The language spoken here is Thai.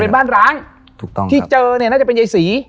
เป็นบ้านร้างถูกต้องที่เจอเนี่ยน่าจะเป็นยายศรี